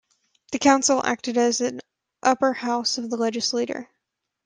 The council acted as an upper house of the legislature.